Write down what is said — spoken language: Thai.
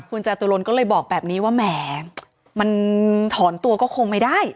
คุณจตุรนก็เลยบอกแบบนี้ว่าแหมมันถอนตัวก็คงไม่ได้